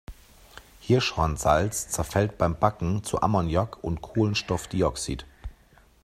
Hirschhornsalz zerfällt beim Backen zu Ammoniak und Kohlenstoffdioxid.